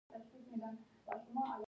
څه پوښتنې یې درلودې.